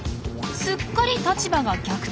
すっかり立場が逆転。